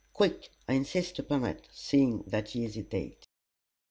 Quick! I insist upon it:" seeing that he hesitated.